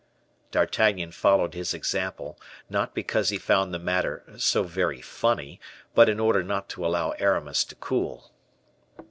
D'Artagnan followed his example, not because he found the matter so "very funny," but in order not to allow Aramis to cool.